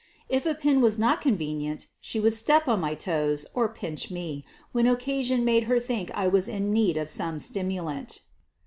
If a pin was not convenient she would step on my toes or pinch me when occasion made her think I was in need of some such stimulant.